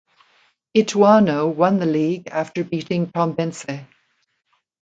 Ituano won the league after beating Tombense.